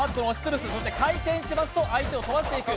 回転しますと相手を飛ばしていく。